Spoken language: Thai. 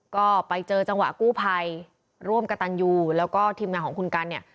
ก็ไปเจอจังหวะกู้ภัยร่วมกับตันยูแล้วก็ทีมงานของคุณกันเนี่ย